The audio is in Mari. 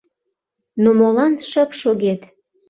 — Ну, молан шып шогет?